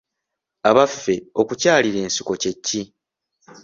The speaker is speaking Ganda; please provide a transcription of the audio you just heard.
Abaffe okukyalira ensiko kye ki?